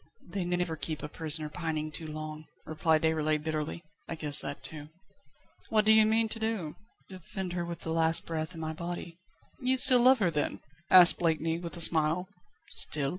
"They never keep a prisoner pining too long," replied Déroulède bitterly. "I guessed that too." "What do you mean to do?" "Defend her with the last breath in my body." "You love her still, then?" asked Blakeney, with a smile. "Still?"